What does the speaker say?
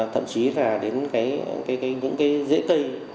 thậm chí là đến những cái dễ cây